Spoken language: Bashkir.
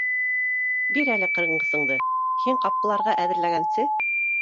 Бир әле ҡырынғысыңды, һин ҡапҡыларға әҙерләгәнсе